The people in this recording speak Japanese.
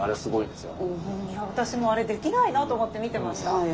私もあれできないなと思って見てました。